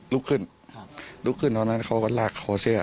ลบเขาเรื่องด้วยนี้ก็ลากคอเสื้อ